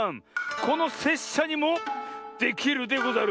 このせっしゃにもできるでござる。